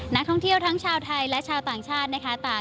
นักท่องเที่ยวทั้งชาวไทยและชาวต่างชาตินะคะต่าง